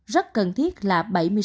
rất cần thiết là bảy mươi sáu